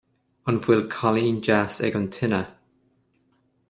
An bhfuil cailín deas ag an tine